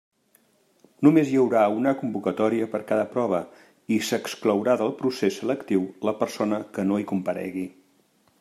Només hi haurà una convocatòria per cada prova i s'exclourà del procés selectiu la persona que no hi comparegui.